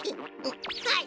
はい！